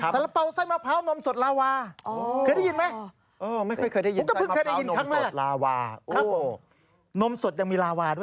สาระเป๋าไส้มะพร้าวนมสดลาวา